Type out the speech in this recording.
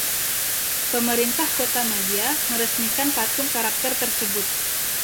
Pemerintah kota madya meresmikan patung karakter tersebut.